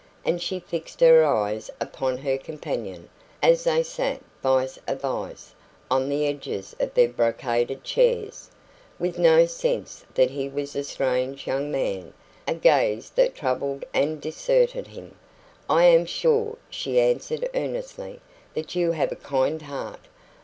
And she fixed her eyes upon her companion, as they sat VIS A VIS on the edges of their brocaded chairs, with no sense that he was a strange young man a gaze that troubled and disconcerted him. "I am sure," she answered earnestly, "that you have a kind heart.